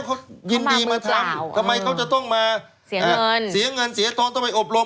เขายินดีมาทำทำไมเขาจะต้องมาเสียเงินเสียเงินเสียทองต้องไปอบรม